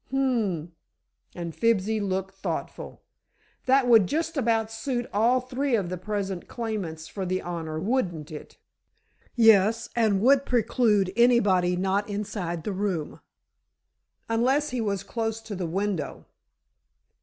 "H'm," and Fibsy looked thoughtful. "That would just about suit all three of the present claimants for the honor, wouldn't it?" "Yes; and would preclude anybody not inside the room." "Unless he was close to the window."